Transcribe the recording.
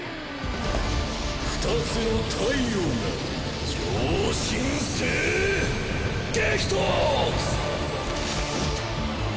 ２つの太陽が超新星激突！